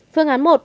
phương án một